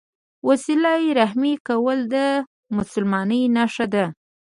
وسیله رحمي کول د مسلمانۍ نښه ده.